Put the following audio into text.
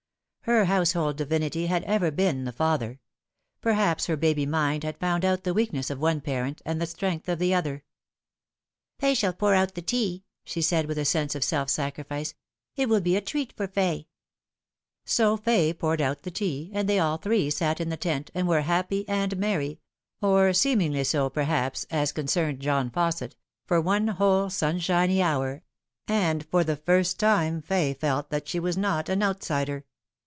Her household divinity had ever been the father. Perhaps her baby mind had found out the weakness of one parent and the strength of the other. " Fay shall pour out the tea," she said, with a sense of self prieri&ce. " It will be a treat for Fay." So Fay poured out the tea, and they all three sat in the tent, and were happy nnd merry or seemingly EO, perhaps, as con cerned John Fausset for one whole sunshiny hour, and for the first time Fay felt that she was not an outsider.